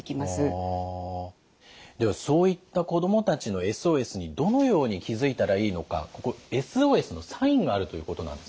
ではそういった子どもたちのＳＯＳにどのように気付いたらいいのかここＳＯＳのサインがあるということなんですね。